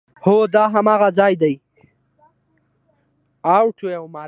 هو، دا هماغه ځای ده